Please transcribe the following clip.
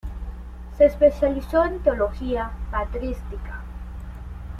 Se especializó en teología patrística.